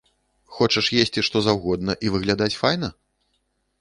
Хочаш есці, што заўгодна і выглядаць файна?